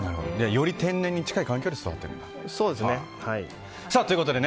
より天然に近い環境で育っていると。